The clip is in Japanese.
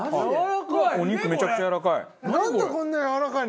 お肉めちゃくちゃやわらかい。